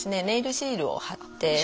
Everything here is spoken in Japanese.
ネイルシールを貼って。